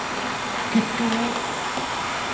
ผิดจุด